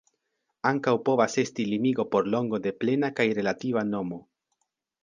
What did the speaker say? Ankaŭ povas esti limigo por longo de plena kaj relativa nomo.